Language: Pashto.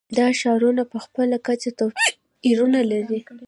دا ښارونه په خپله کچه توپیرونه لري.